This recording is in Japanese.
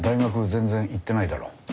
全然行ってないだろ。